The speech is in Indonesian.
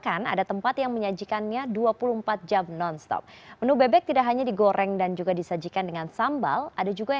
ambil labanya dari lauknya ya